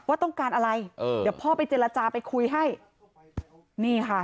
ว่าต้องการอะไรเออเดี๋ยวพ่อไปเจรจาไปคุยให้นี่ค่ะ